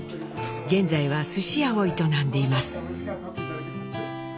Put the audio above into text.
現在はすし屋を営んでいます。